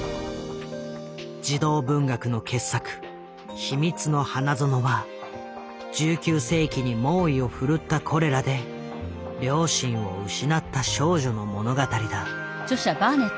児童文学の傑作「秘密の花園」は１９世紀に猛威を振るったコレラで両親を失った少女の物語だ。